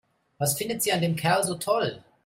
Was findet sie an dem Kerl so toll?